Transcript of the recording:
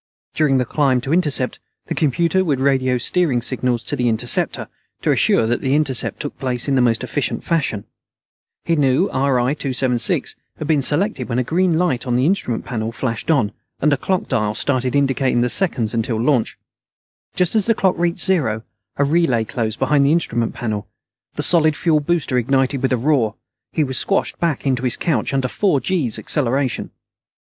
During the climb to intercept, the computer would radio steering signals to the interceptor, to assure that the intercept took place in the most efficient fashion. He knew RI 276 had been selected when a green light on the instrument panel flashed on, and a clock dial started indicating the seconds until launch. Just as the clock reached zero, a relay closed behind the instrument panel. The solid fuel booster ignited with a roar. He was squashed back into his couch under four gees' acceleration.